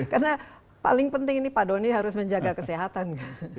karena paling penting ini pak doni harus menjaga kesehatan kan